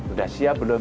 udah siap belum